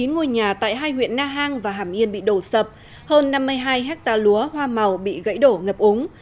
hai mươi chín ngôi nhà tại hai huyện na hang và hàm yên bị đổ sập hơn năm mươi hai hectare lúa hoa màu bị gãy đổ ngập ống